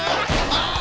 ああ！